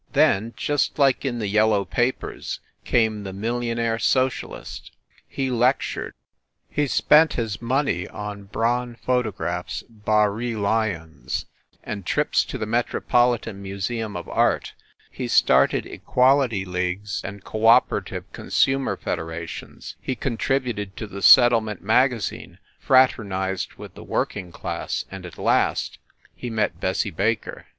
Then, just like in the yellow papers, came the Millionaire Socialist. He lectured, he spent his money on Braun photographs, Barye lions and trips to the Metropolitan Museum of Art, he started equality leagues and co operative consumers fed erations, he contributed to the Settlement Magazine, fraternized with the working class and, at last he met Bessie Baker.